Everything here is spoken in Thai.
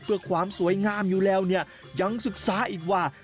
เพื่อความสวยงามอยู่แล้วเนี่ยยังศึกษาอีกว่า